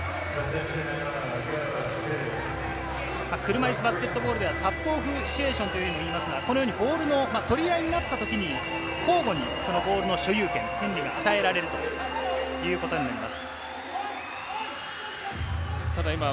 車いすバスケットボールでは、ティップオフシチュエーションといいますが、ボールの取り合いになった時に交互にボールの所有権、権利が与えられるということになります。